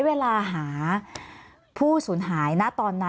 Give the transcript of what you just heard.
มีความรู้สึกว่าเสียใจ